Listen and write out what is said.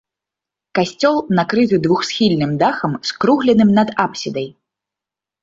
Касцёл накрыты двухсхільным дахам, скругленым над апсідай.